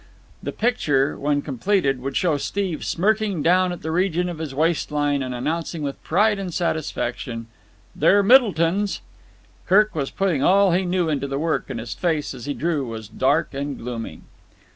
The picture, when completed, would show Steve smirking down at the region of his waist line and announcing with pride and satisfaction: "They're Middleton's!" Kirk was putting all he knew into the work, and his face, as he drew, was dark and gloomy.